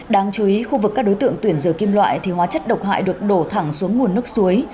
đáng chú ý khu vực các đối tượng tuyển rửa kim loại thì hóa chất độc hại được đổ thẳng xuống nguồn nước suối